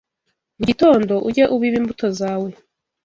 Mu gitondo ujye ubiba imbuto zawe